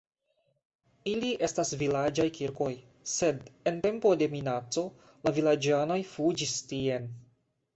Ili estas vilaĝaj kirkoj, sed en tempo de minaco la vilaĝanoj fuĝis tien.